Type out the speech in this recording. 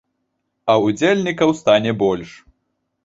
А удзельнікаў стане больш.